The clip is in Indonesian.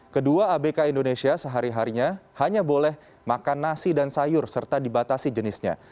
kedua abk indonesia sehari harinya hanya boleh makan nasi dan sayur serta dibatasi jenisnya